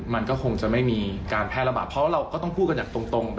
มันก็คงจะไม่มีการแพร่ระบาดเพราะว่าเราก็ต้องพูดกันอย่างตรง